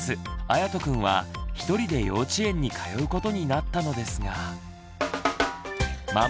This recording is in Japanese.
やとくんは一人で幼稚園に通うことになったのですがママ